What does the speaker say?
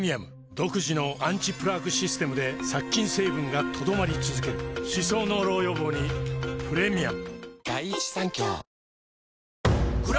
独自のアンチプラークシステムで殺菌成分が留まり続ける歯槽膿漏予防にプレミアム